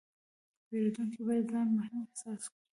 پیرودونکی باید ځان مهم احساس کړي.